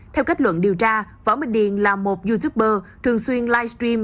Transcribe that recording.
theo kết luận điều tra võ minh điền là một youtuber thường xuyên livestream